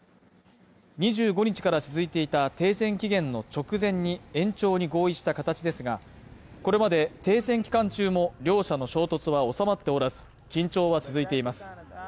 ２５日から続いていた停戦期限の直前に延長に合意した形ですが、これまで停戦期間中も両者の衝突は収まっておらず、緊張は続いています。